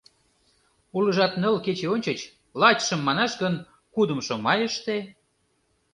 Улыжат ныл кече ончыч, лачшым манаш гын, кудымшо майыште...